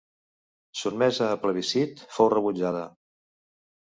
Sotmesa a plebiscit fou rebutjada.